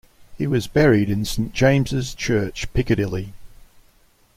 He was buried in Saint James's Church, Piccadilly.